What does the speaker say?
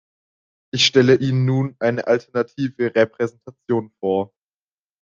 Ich stelle Ihnen nun eine alternative Repräsentation vor.